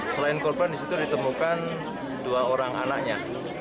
selain korban di situ ditemukan dua orang anaknya